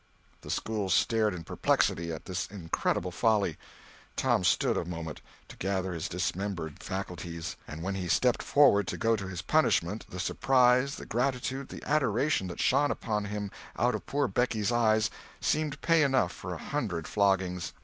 The school stared in perplexity at this incredible folly. Tom stood a moment, to gather his dismembered faculties; and when he stepped forward to go to his punishment the surprise, the gratitude, the adoration that shone upon him out of poor Becky's eyes seemed pay enough for a hundred floggings.